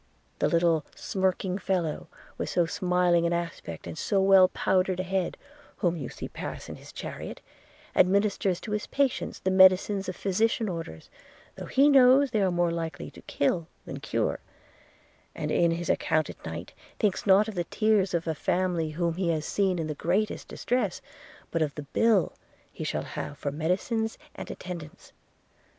The little, smirking fellow, with so smiling an aspect, and so well powdered a head, whom you see pass in his chariot, administers to his patient the medicines a physician orders, though he knows they are more likely to kill than cure; and, in his account at night, thinks not of the tears of a family whom he has seen in the greatest distress, but of the bill he shall have for medicines and attendance.